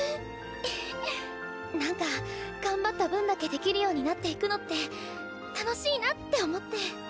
⁉えへ何か頑張った分だけできるようになっていくのって楽しいなって思って。